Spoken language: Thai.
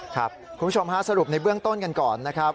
คุณผู้ชมฮะสรุปในเบื้องต้นกันก่อนนะครับ